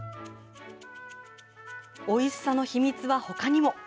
おいしさの秘密はほかにも。